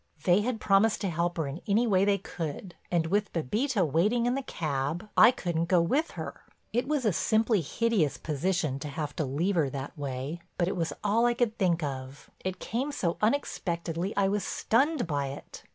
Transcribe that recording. They had promised to help her in any way they could, and with Bébita waiting in the cab, I couldn't go with her. It was a simply hideous position to have to leave her that way. But it was all I could think of—it came so unexpectedly I was stunned by it.